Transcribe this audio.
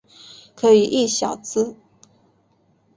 可以意晓之。